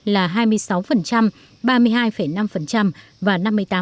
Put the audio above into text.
là hai mươi sáu ba mươi hai năm và năm mươi tám